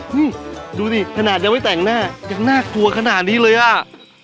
ดูสิขนาดยังไม่แต่งหน้ายังน่ากลัวขนาดนี้เลยอ่ะ